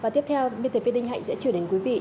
tiếp theo btv